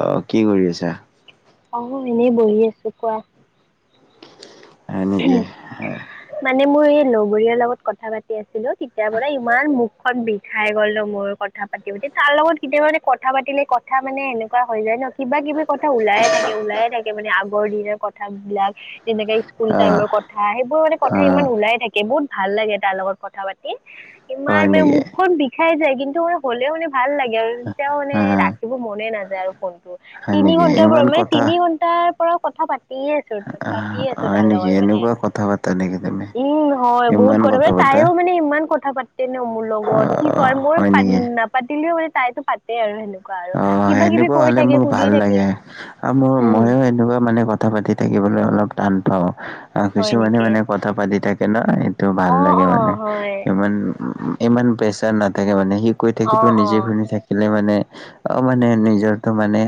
অ', কি কৰি আছা? অ', এনেই বহি আছো, কোৱা। হয় নেকি? মানে মোৰ এই লগৰীয়াৰ লগত কথা পাতি আছিলো তেতিয়াৰ পৰা ইমান মুখখন বিষাই গল ন মোৰ কথা পাতিপাতি তাৰ লগত কেতিয়াবা মানে কথা পাতিলে কথা মানে এনেকুৱা হৈ যায় ন কিবা কিবি কথা ওলাইে থাকে ওলায়ে থাকে মানে আগৰ দিনৰ কথাবিলাক যেনেকে স্কুল অ', টাইমৰ কথা সেইবোৰ মানে কথা ইমান অ', ওলাই থাকে বহুত ভাল লাগে তাৰ লগত কথা পাতি। ইমান হয় নে নেকি? মুখখন বি খাই যায় কিন্তু মানে হ'লেও মানে ভাল লাগে আৰু তেতিয়াও মানে অ', ৰাখিব মনে নাযায় আৰু ফোনটো। হয় তিনি নেকি? ঘন্টাৰ পৰা ইমান মানে কথা তিনি ঘন্টাৰ পৰা কথা পাতিয়ে আছো আহ পাতিয়ে আছো হয় তাৰ নেকি? লগত মানে এনেকুৱা কথা পাতা নেকি তুমি? উম, হয় বহুত ইমান কথা তাই মানে পাতা? তাৰো মনে ইমান কথা পাতে ন মোৰ লগত কি অ', কয় মোৰ হয় নেকি? নাপাতিলেও মানে তাইতো পাতে আৰু সেনেকুৱা আৰু। অ', কিবা কিবি সেনেকুৱা কৰি হলে থাকে মোক সুধি ভাল থাকে লাগে আৰু মোৰ উম মইো এনেকুৱা মানে কথা কথা পাতি থাকিবলৈ অলপ টান পাওঁ, আহ হয় কিছুমানে নেকি মানে কথা পাতি থাকিলে এ টো ভাল অ লাগে অ মানে, হয় ইমান ইমান প্ৰেছাৰ নাথাকে মানে সি কৈ অ থাকিব অ নিজে শুনি থাকিলে মানে অ মানে নিজৰটো মানে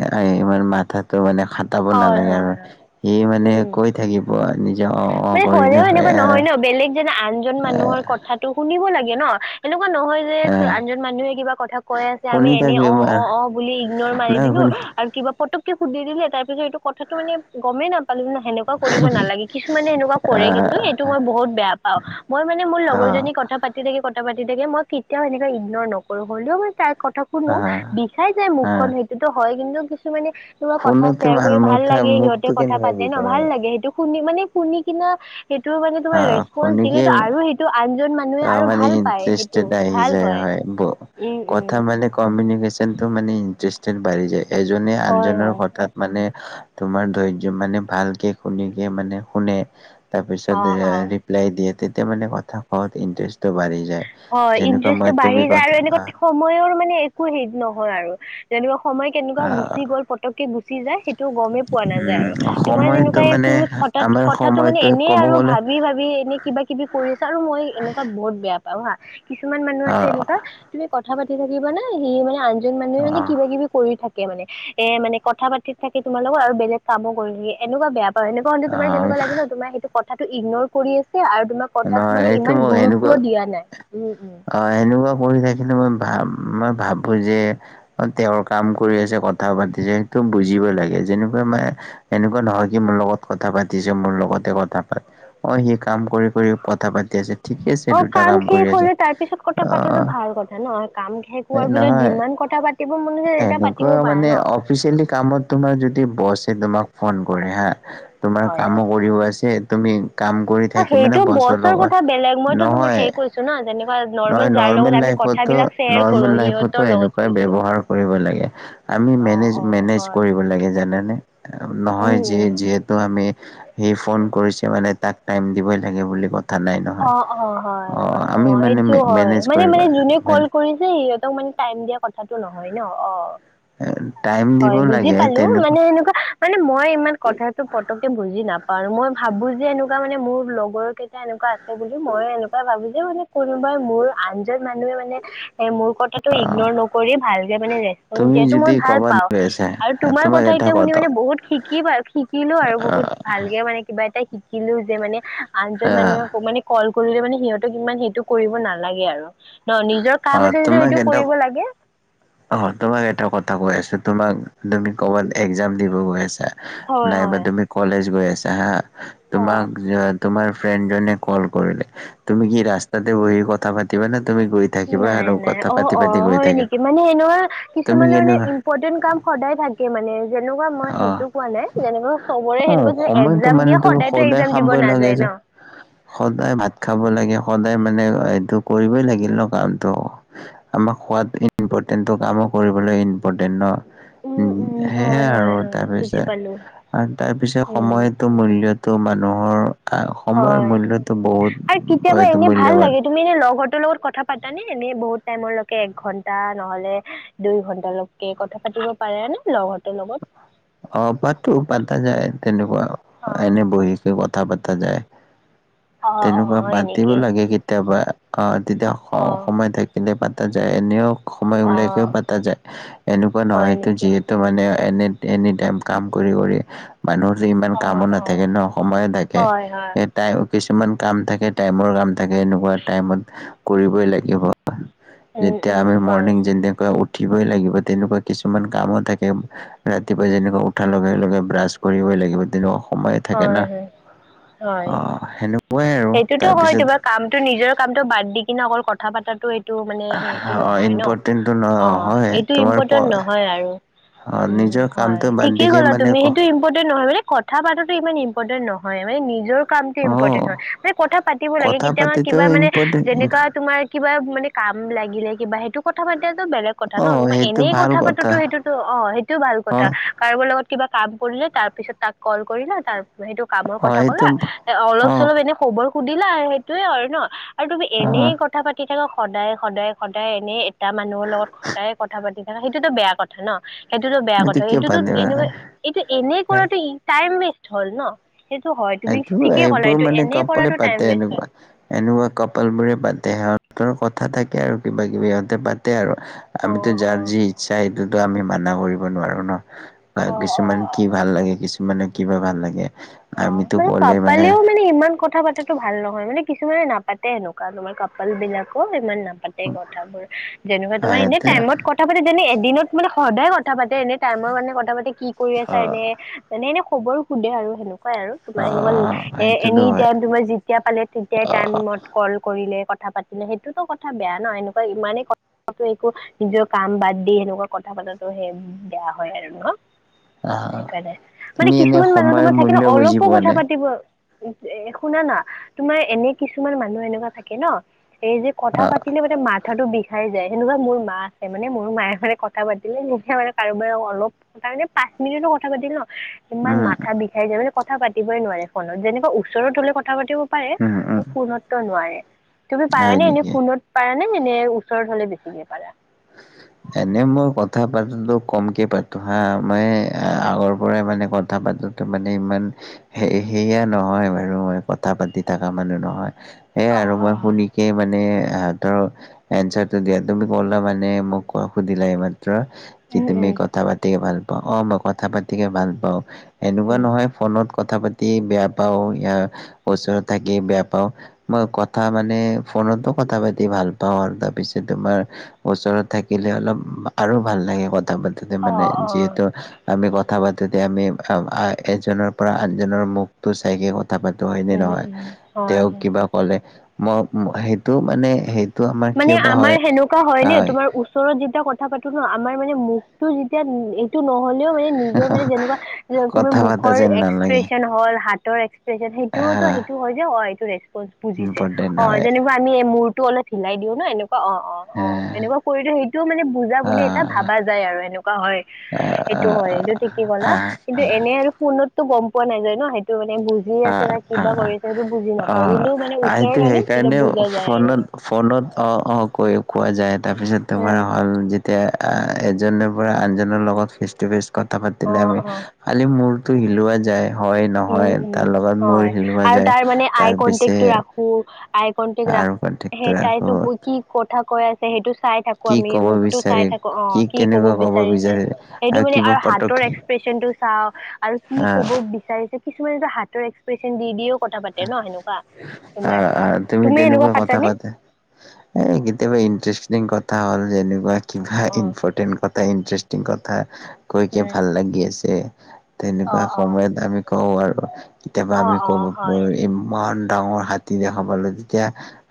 ইমান মাথাটো মানে খ কটাব হয় নালাগে আৰু হয় হয় সি মানে উম কৈ থাকিব নিজৰ। [unintelligible] নহয় ন বেলেগ। যেনে আনজন মানুহৰ কথাটো শুনিব লাগে ন এনেকুৱা নহয় যে আনজন মানুহে কিবা কথা কৈ আছে আমি শুনি এনে অ থাকিম অ আৰু অ বুলি ইগনৰ ন মাৰি দিলো। শুনি আৰু কিবা পতককে সুধি দিলে তাৰ পিছত এইটো কথাটো মানে গমেই নাপালো নে সেনেকুৱা কৰিব নালাগে। কিছোমানে এনেকুৱা কৰে আহ, কিন্তু এইটো মই বহুত বেয়া পাওঁ মই মানে মোৰ অ', লগৰী কথা পাতি কথা পাতি থাকে কথা পাতি থাকে মই কেতিয়াও এনেকে ইগননৰ নকৰো হ'লেও মই তাত কথা শুনো অ', বিচাই যায় অ'। মুখখন সেইটোতো হয় কিন্তু কিছুমানানে ছোৱা কথা খুনোতে শ্বেয়াৰ কৰি ভাল মুখ লাগে মুখটো সিহঁতে কথা কেনেকুৱা পাতে ন বিষায় ভাল লাগে সেইটো শুনি মানে শুনি কিনা সেইটো মানে তোমাৰ আহ ৰেচপন্ঞ্চ খুনিকে দিলেতো আৰু সেইটো আনজন মানুহে আহ আৰু মানে ভাল পায়। [unintelligible] উওম উওম। মানে কমিউনিকেশ্যনটো মানে ইণ্টাৰেষ্টেড বাঢ়ি যায় এজনে হয় আনজনৰ হয়। কথাত। মানে তোমাৰ ধৈৰ্য মানে ভালকে শুনিকে মানে শুনে তাৰপিছত অ দে অ ৰিপ্লাই দিয়ে তেতিয়া মানে কথা কোৱাত ইণ্টাৰেষ্টটো বাঢ়ি যায়। হয় যেনেকুৱা মই ইণ্টাৰেষ্টটো তুমি বাঢ়ি যায় কথা আৰু আহ এনেকুৱা সময়ৰ মানে একো হেৰি নহয় আৰু যেনেকুৱা সময় কেনেকুৱা গুচি গ'ল পতকে গুচি যায় সেইটো গমেই পোৱা নাযায় উম আৰু তোমাৰ সময়টো যেনেকুৱাই মানে তুমি স তাত আমাৰ কথাটো মানে সময়টো এনেই ক'ব আৰু গ'লে ভাবি ভাবি এনে কিবা কিবি কৰিছা আৰু মই এনেকুৱা বহুত বেয়া পাওঁ হা কিছুমান মানুহ আছে আহ এনেকুৱা তুমি কথা পাতি থাকিবা না সি মানে আনজন মানুহে মানে আহ কিবা-কিবি কৰি থাকে মানে। এ মানে কথা পাতিত থাকে তোমাৰ লগত আৰু বেলেগ কামো কৰি থাকে এনেকুৱা বেয়া অ এনেকুৱাে তোমাৰ আহ তেনেকুৱা লাগে ন তোমাৰ সেইটো কথাটো ইগননৰ কৰি আছে আৰু তোমাক কথাত নহয় মানে এইটো ইমান মই সেনেকুৱা গুৰুত্ব দিয়া নাই, উম উম। অ এনেকুৱা কৰি থাকিলে মই ভা মই ভাবোঁ যে তেওঁৰ কাম কৰি আছে কথা পাতিছে সেইটো বুজিব লাগে যেনেকুৱা মানে এনেকুৱা নহয়, সি মোৰ লগত কথা পাতিছে মোৰ লগতে কথা পাত, অ, সি কাম কৰি-কৰি অ, কাম শেষ আছে হ'লে তাৰ পিছত অ কথা পাতাটো ভাল কথা ন, কাম শেষ হোৱাৰ পিছত নহয় যিমান কথা পাতিব মন আছে, তেতিয়া পাতিব পাৰে ন। স্পিচিয়েলি কামত তোমাৰ যদি বছে তোমাক ফোন কৰে হা, তোমাৰ হয়, কামো হয়। কৰিব আছে, তুমি কাম কৰি অ', থাকিব সেইটো নে, বছৰ কথা লগত, বেলেগ মইতো নহয়। [unintelligible] নহয়, লগত নৰ্মেল আমি লাইফতো, কথাবিলাক শ্বেয়াৰ কৰো নৰ্মেল সিহঁতৰ লাইফতো লগত এনেকুৱাই কৈছো। ব্যৱহাৰ কৰিব লাগে, আমি অ', অ', মেনেজ-মেনেজ হয়, কৰিব লাগে, জানানে! নহয়, উম, যে উম। যিহেতু আমি সি ফোন কৰিছে, মানে তাক টাইম দিবই লাগে বুলি কয়। অ, অ, হয়, হয়, অ মানে সেইটোও হয়, মেনেজ মানে কৰিব মানে যোনে কল মানে কৰিছে, সিহঁতক মানে টাইম দিয়া কথাটো নহয় ন, অ। টাইম দিব হয়, বুজি লাগে পালো, তেনেকুৱা মানে এনেকুৱা মানে মই ইমান কথাটো পতককে বুজি নাপাওঁ, আৰু মই ভাবো যে, এনেকুৱা মানে মোৰ লগৰৰ কেইটা এনেকুৱা আছিল বুলি, মই এনেকুৱা ভাবো যে, মানে কোনোবাই মোৰ আনজন মানুহে মানে এ, মোৰ কথাটো ইগনৰ নকৰি, ভালকে মানে ৰেচপঞ্চ তুমি দিয়াটো মই যদি ভাল ক'বাত অ, গৈ আছা আৰু তোমাৰ তোমাক কথা এটা কেইটা শুনি মানে বহুত শিকিবা শিকিলো আৰু বহুত ভালকে। মানে কিবা এটা শিকিলো যে, মানে অ আনজন মানুহকো মানে কল কৰিলে মানে সিহঁতক ইমান সেইটো কৰিব নালাগে আৰু। ন, নিজৰ অ কাম আছে যদি তোমাক সেইটো এটা কৰিব লাগে। অ, তোমাক এটা কথা কৈ আছো তোমাক, তুমি ক'বাত এক্জাম দিব গৈ আছা হয় নাই বা হয় তুমি কলেজ গৈ আছা হা, অ তোমাক তোমাৰ ফ্ৰেণ্ডজনে কল কৰিলে, তুমি কি ৰাস্তাতে বহি কথা পাতিবা নে, তুমি গৈ থাকিবা নাই আৰু নাই কথা অ অ পাতি-পাতি গৈ হয় থাকিবা। নেকি মানে এনেও, তুমি কিছুমানৰ মানে কেনেকুৱা ইম্পৰ্টেণ্ট কাম সদায় থাকে মানে যেনেকুৱা মই অ সেইটো কোৱা নাই, যেনেকুৱা চবৰে অ সেনেকুৱা সময়তো এক্জাম মানে দিয়ে তুমি সদায় সদায় [unintelligible] লাগে যে। সদায় ভাত খাব লাগে, সদায় মানে এইটো কৰিবই লাগিল ন কামটো। আমাৰ খোৱাত ইম্পৰ্টেণ্ট ত, কামো কৰিবলৈ ইম্পৰ্টেন্ট ন! উম, সেই হয় সেয়াই আৰু হয় হয় তাৰ বুজি পিছে পালো আৰু তাৰ পিছে উম সময়তো মূল্যটো মানুহৰ। আহ, সময়ৰ হয় মূল্যটো বহুত, আৰু কেতিয়াবা হয়টো এনে ভাল মূল্যৱান। লাগে তুমি হেই লগৰটোৰ লগত কথা পাতানে? এনেই বহুত টাইমৰলৈকে এক ঘন্টা, নহ'লে দুই ঘন্টালৈকে কথা পাতিব পাৰে নে, লগৰটোৰ লগত? অ, পাতো, পাতা যায়, তেনেকুৱা, অ এনে বহি কথা পতা যায়, অ অ তেনেকুৱা হয় পাতিব নেকি লাগে কেতিয়াবা, আহ, তেতিয়া অ। কিবা থাকিলে পাতা যায়, এনেও সময় অ উলিয়াইকেও পাতা যায়, এনেকুৱা হয় নহয়তটো নেকি যিহে তু মানে এনে এনি টাইম কাম কৰি-কৰি মানুহৰ যে ইমান অ কামো অ নাথাকে ন, সময়ে থাকে। হয় হয়। টাই কিছুমান কাম থাকে, টাইমৰ কাম থাকে, এনেকুৱা টাইমত কৰিবই লাগিব। উম তেতিয়া উম আমি হয় মৰ্ণিং যেনেকৈ উঠি উঠিবই লাগিব, তেনেকুৱা কিছুমান কামো থাকে। ৰাতিপুৱা যেনেকুৱা উঠাৰ লগে-লগে ব্ৰাছ কৰিবই লাগিব, তেনেকুৱা সময়ে থাকে না হয় হয় হয়। অ সেনে সেইটোতো হয়। তোমাৰ কামটো নিজৰ কামটো বাদ দি কিনে অকল কথা পাতাটো সেইটো মানে সেইটো অ নহয় ন। ইম্পৰ্টেণ্টটো অ নহয় এইটো তোমাৰ ইম্পৰ্টেন্ট নহয় আৰু। অ উম নিজৰ হয় কামটো বাদ ঠিকেই দিকে ক'লা মানে তুমি। ক সেইটো ইম্পৰ্টেন্ট নহয় মানে ক কথা পাতো ইমান ইম্পৰ্টেন্ট নহয়। মানে নিজৰ কামটো অ ইম্পৰ্টেণ্ট হয়। মানে কথা পাতিব লাগে কথা কেতিয়াবা পাতিতো কিবা মানে ইম্পৰ্টেণ্ট যেনেকুৱা তোমাৰ কিবা মানে কাম লাগিলে কিবা সেইটো কথা পাতিলে বেলেগ। কথা ন অ ত মই সেইটো এনেই ভাল কথা পাতোতো সেইটোতো অ সেইটোও ভাল অ কথা। কাৰোবাৰ লগত কিবা কাম কৰিলে তাৰ পিছত তাক কল কৰিলা তাৰ সেইটো কামৰ অ কথা সেইটো ক'লা। অলপ অ চলপ এনে খবৰ সুধিলা সেইটোয়ে আৰু ন। আৰু তুমি অ এনেই কথা পাতি থাকা সদায় সদায় সদায় এনে এটা মানুহৰ লগত। সদায়ে কথা পাতি থাকা সেইটোতো বেয়া কথা ন। সেইটোতো বেয়া এইটো কথা কিয় এইটোতো বাদ এনেকুৱা দিবা এইটো এনেই কৰাতটো টাইম ৱেষ্ট হল ন। সেইটো হয় তুমি ঠিকেই কলা এইটো এনে কোনে পাতে এনেকুৱা। এনেকুৱা কপাল বোৰে পাতে সিহঁতৰ কথা থাকে আৰু কিবা কিবি সিহঁতে পাতে আৰু। অ আমিতো যাৰ যি ইচ্ছা সেইটোতো আমি মানা কৰিব নোৱাৰো ন বা অ অ কিছুমান কি অ ভাল লাগে কিছুমানে কিবা ভাল লাগে। অ আমিতো মানে ক'লে কাপালেও মানে ইমান কথা পাতো এইটো ভাল নহয়। মানে কিছুমানে নাপাতে এনেকুৱা তোমাৰ কাপাল বিলাকো ইমান নাপা পাতে কথা বোৰ যেনেকুৱা তোমাৰ এনে সিহঁতে টাইমত কথা পাতে যেনে এদিনত মানে সদায় কথা পাতে এনে টাইমৰ কাৰানে কথা পাতে কি কৰি আছা অ এনে মানে এনে খবৰ সোধে আৰু এনেকুৱাই আৰু তোমাৰ অ এনেকুৱা এ সেইটোতো এনি হয় টাইম তোমাৰ তেতিয়া পালে তেতিয়াই অ টাইমত কল কৰিলে কথা পাতিলে সেইটোতো কথা বেয়া নহ এনেকুৱা ইমানেই ক একো নিজৰ কাম বাদ দি সেনেকুৱা কথা পাতো সে বেয়া হয় আৰু ন। আহ সেইকাৰণে মানে তুমি এনে কিছুমান মানুহ তোমাৰ সময়ৰ থাকে ন মূল্য বুজি অলপো পোৱা নে? [inaudible] শুনা না তোমাৰ এনে কিছুমান মানুহ এনেকুৱা থাকে ন এই যে কথা অ পাতি কিন্তু মানে মাথাটো বিষাই যায় সেনেকুৱা মোৰ মা আছে মানে মোৰ মায়ে মানে কথা পাতিলে মুখেই মানে কাৰোবাৰ অলপ তাৰমানে পাঁচ মিনিটৰ কথা পাতি ন ইমান উম মাথা বিষাই যায় কথা পাতিবই নোৱাৰে ফোনত। যেনেকুৱা ওচৰত হলে কথা পাতিব। উম উম পাৰে ফোনত নোৱাৰে। তুমি হয় পাৰানে এনে নেকি? ফোনত পাৰা নে নে ওচৰত হলে বেছিকে পাৰা? এনে মই কথা পাতো কমকে পাতো হা মই অ এই আগৰ পৰাই মানে কথা পাতো মানে ইমান সেই সেয়া নহয় বাৰু মই কথা পাতি থকা মানুহ নহয়। সেয়া অ আৰু অ মই শুনিকে মানে ধৰ এনচাৰটো দিয়া তুমি ক'লা মানে মানে মোক ক সুধিলা এই মাত্ৰ কি উম তুমি উম কথা পাতি ভাল অ মই কথা পাতিকে ভাল পাও এনেকুৱা উম নহয় ফোনত কথা পাতি বেয়া পাওঁ ইয়া ওচৰত থাকি বেয়া পাওঁ। মই কথা মানে ফোনতো কথা পাতি ভাল পাওঁ আৰু তাৰপিছত তোমাৰ ওচৰত থাকিলে অলপ আৰু ভাল লাগে কথা পাতোতে অ মানে অ যিহেতু আমি কথা পাাতোতে আমি এজনৰ পৰা আনজনৰ মুখতো চাইকে কথা পাতো হয়নেে উম, নহয়। উম, হয় তেওঁক হয় কিবা ক'লে মই সেইটো মানে সেই তটো আমাৰ কিয় বা হয়? তোমাৰ হয় নে, তোমাৰ ওচৰত যেতিয়া কথা পাতো ন আমাৰ মানে মুখটো যেতিয়া টো নহ'লেও মানে নিজৰ মানে যেনেকুৱা, তোমাৰ কথা পতা মুখৰ যেন নালাগে এক্সপ্ৰেচন হ'ল হাত এক্স সে-সে-সেইটোও আহ সেইটো হয় যে অ', এইটো ৰেচপ বুজিছে ইম্পৰ্টেণ্ট অ' হয় যেনিবা আমি মূৰটো অলপ ঢিলাই দিওঁ ন এনেকুৱা অ', অ', অ' আহ এনেকুৱা কৰি দিওঁ সেইটোও মানে বুজা বুলি এটা আহ ভাবা যায় আৰু এনেকুৱা হয়। সেইটো আহ হয়, সেইটো ঠিকেই ক'লা আহ কিন্তু এনে আৰু ফোনতটো গম পোৱা নাযায় ন, সেইটো মানে বুজ জি আছে আহ নে, কিবা আহ কৰি আছে সেইটো বুজি নাপায় অ', কিন্তু মানে সেইটো ওচৰত হ'লে তেতিয়া সেইকাৰণে বুজা যায় আৰু। ফোনত ফোনত অ', অ' কৈ কোৱা যায়, তাৰপিছত তোমাৰ উম হ'ল যেতিয়া আহ, এজনৰ পৰা আনজনৰ লগত ফেচ টু ফেচ কথা অ পাতিলে আমি অ খালি মূৰটো হিলোৱা যায়, হয় উম নহয়। উম তাৰ লগত মূৰ হয় হিলোৱা যায়, তাৰ পিছে থাকো আই কণ্টেক্ট আৰু কন্টেক্টটো ৰাখোঁ, তাই ৰাখো টো বুজি কি কথা কৈ আছে, সেইটো চাই থাকোঁ। কো কি আমি ক'ব মুখটো চাই বিচাৰে থাকো, অ' কি ক'ব কেনেকুৱা বিচাৰিছে বিচাৰে সেইটো মানে কিবা আৰু পটক হাতৰ এক্স প্ৰেচনটো চাও আৰু কি আহ ক'ব বিচাৰিছে কিছুমানেটো হাতৰ এক্সপ্ৰেচন দি দিও কথা পাতে ন সেনেকুৱা তোমাৰ, তুমি সেনেকোৱা পাতানে? এ কেতিয়াবা ইণ্টাৰেষ্টিং কথা হ'ল যেনেকুৱা কিবা অ', ইম্পৰটেন্ট কথা এটা ইন্টাৰেষ্টিং কথা কৈ কি উম। ভাল লাগি আছে, তেনেকুৱা অ', অ', সময়ত আমি কওঁ আৰু কেতিয়াবা অ', আমি ক'ব অ', হয়। পাৰো ইমান ডাঙৰ হাতী দেখা পালে, তেতিয়া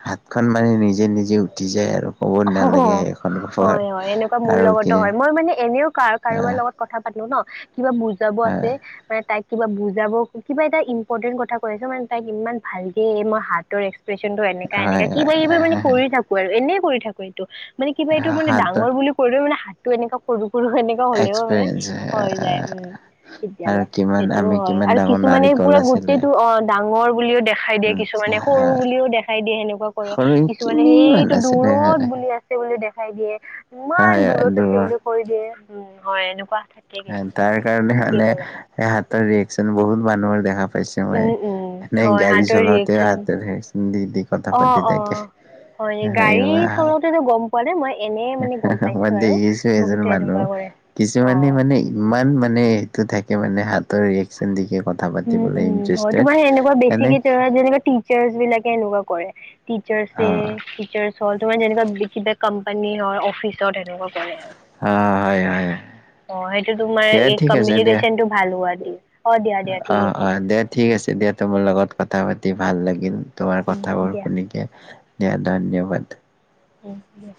হাতখন মানে নিজে নিজে উঠি যায় আৰু। ক'ব নালাগে অহহ' সেইখন খবৰ হয়, হয় এনেকুৱা মোৰ আৰু কি লগতো হয় মই মানে এনেও কা কাৰোবাৰ আহ লগত কথা পাতো ন', কিবা বুজাব আছে মানে তাইক কিবা বুজাব কিবা এটা ইম্পৰ্টেণ্ট কথা কৈ আছে, মানে তাইক ইমান ভালকে মই হাতৰ এক্স প্ৰেচনটো এনেকা এনেকা হয় কিব হয় কিবি মানে কৰি থাকো আৰু, এনেই কৰি থাকো এইটো। মানে কিবা এইটো মানে হাতৰ ডাঙৰ বুলি ক'লেও মানে হাতটো এনেকুৱা সৰু সৰু এনেকুৱা হ'লেও মানে এক্সপিৰিয়েঞ্চ হৈ যায় উম। আৰু কেতিয়াবা কিমান সেইটোও আমি হয় কিমান আৰু ডাঙৰ কিছুমানে নাৰিকল পুৰা আছিলে গোটেইটো, অ' ডাঙৰ বুলিও দেখাই দিয়ে কিছু কিছুমানে আচ্ছা সৰু বুলিও দেখাই দিয়ে সেনেকুৱা কৰে, কিছুমানে সৰুকিনিমান সেইটো আছিলে দূৰত হয় বুলি আছে বুলি দেখাই দিয়ে, ইমান দূৰত আছে দূৰৰ। বুলি কৈ দিয়ে, উম, হয় এনেকুৱা থে তাৰ কাৰণে মানে হাতৰ ৰিয়েকচন বহুত মানুহৰ দেখা পাইছে মই, উম উম মানে হয় গাড়ী হাতৰ চলাওঁতে ৰিয়েকচন হাতৰ একচন দি দি কথা পাতি অ', থাকে। অ' হয় গাড়ী চলাতেটো গম পোৱা নে মই এনে মানে গম মই পাইছো আৰু দেখিছো এজন বহুতে মানুহ এনেকুৱা কৰে, কিছুমানে অ'। মানে ইমান মানে সেইটো থাকে মানে হাতৰ ৰিয়েকচন দেখি কয়। উম উম, হয় তোমাৰ এনেকুৱা এনে বেছিকে তেৰা তেৰিকৈ [inaudible] তিসৰ্চাছ বিলাকে এনেকুৱা কৰে, তিসৰ্চেৰা অ', অ', দেই, টিচাৰ্ছ হ'ল তোমাৰ এনেকুৱা ভিকিদা কোম্পানী কোম্পানী হয়, অফিচত হেনেকুৱা কৰে। অ' হয়। হয়। অ' সেইটো তোমাৰ দিয়া এই ঠিক আছে দিয়া। কমিউনিকেশচন টো ভাল হোৱা দি, অ' দিয়া দিয়া। ঠিক অ', আছে অ' দিয়া দে ঠিক আছে দিয়া, তোমাৰ লগত কথা পাতি ভাল লাগিল। তোমাৰ উম, কথাবোৰ দিয়া শুনিকে, দিয়া ধন্যবাদ। উম, দিয়া।